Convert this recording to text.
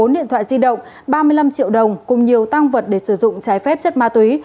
bốn điện thoại di động ba mươi năm triệu đồng cùng nhiều tăng vật để sử dụng trái phép chất ma túy